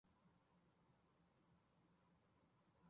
安提诺座是一个已经被废除的星座。